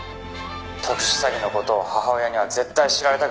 「特殊詐欺の事を母親には絶対知られたくなかったからだ」